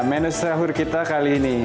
menu sahur kita kali ini